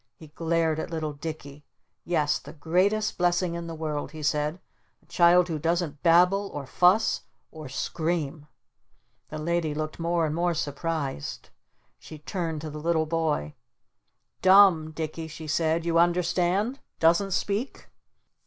He glared at little Dicky. "Yes the greatest blessing in the world!" he said. "A child who doesn't babble or fuss! Or SCREAM!" The Lady looked more and more surprised. She turned to the little boy. "'Dumb,' Dicky," she said. "You understand? Doesn't speak?"